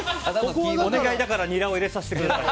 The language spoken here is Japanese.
お願いだからニラを入れさせてください。